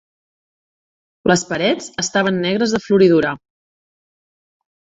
Les parets estaven negres de floridura.